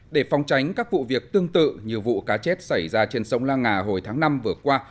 để phòng tránh các vụ việc tương tự như vụ cá chết xảy ra trên sông la nga hồi tháng năm vừa qua